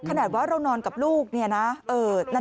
ขนาดว่าเรานอนกับลูกเนี่ยนะ